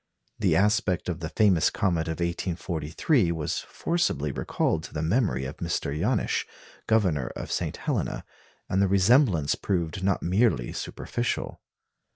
The aspect of the famous comet of 1843 was forcibly recalled to the memory of Mr. Janisch, Governor of St. Helena; and the resemblance proved not merely superficial.